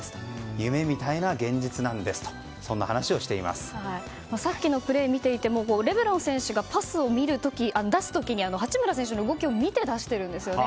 夢みたいな現実なんですとさっきのプレーを見ていてもレブロン選手がパスを出す時に八村選手の動きを見て出しているんですよね。